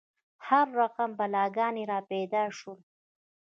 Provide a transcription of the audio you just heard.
هر رقم بلاګان را پیدا شول.